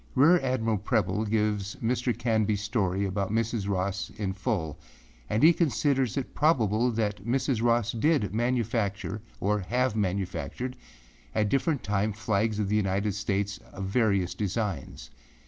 Rear Admiral Preble gives Mr. Canbyâs story about Mrs. Ross in full, and he considers it probable that Mrs. Ross did manufacture or have manufactured at different times flags of the United States of various designs.